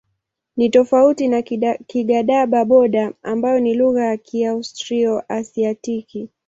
Ni tofauti na Kigadaba-Bodo ambayo ni lugha ya Kiaustro-Asiatiki.